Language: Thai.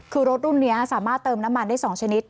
คือรถรุ่นนี้สามารถเติมน้ำมันได้๒ชนิด